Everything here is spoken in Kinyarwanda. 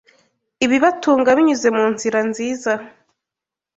ibibatunga binyuze mu nzira nziza